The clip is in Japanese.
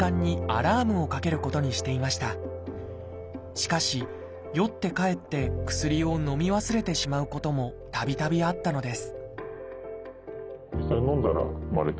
しかし酔って帰って薬をのみ忘れてしまうこともたびたびあったのです